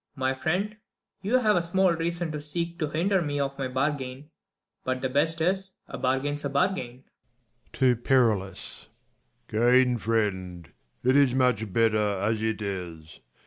My friend, you have small reason to seek to hinder me of my bargain : but the best is, a bargain's a bargain. 36 Leir [to Perillus.] Kind friend, it is much better as it is.